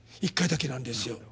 １回だけなんですよ。